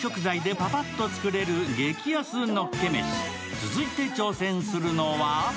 続いて挑戦するのは？